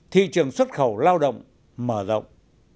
thị trường xuất khẩu lao động mở rộng